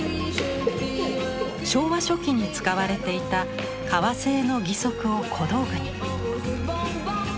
昭和初期に使われていた革製の義足を小道具に。